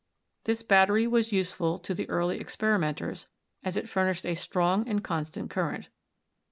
This battery was useful to the early ex perimenters, as it furnished a strong and constant current.